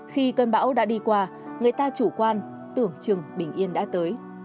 khi cơn bão đã đi qua người ta chủ quan tưởng chừng bình yên đã tới